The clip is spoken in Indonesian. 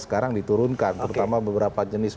sekarang diturunkan terutama beberapa jenis